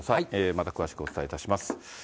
また詳しくお伝えいたします。